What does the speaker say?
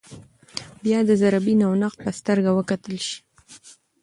باید د ذره بین او نقد په سترګه وکتل شي